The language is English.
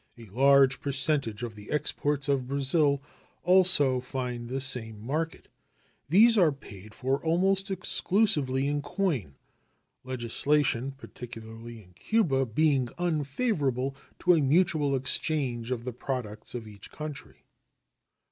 A large percentage of the exports of Brazil also find the same market. These are paid for almost exclusively in coin, legislation, particularly in Cuba, being unfavorable to a mutual exchange of the products of each country.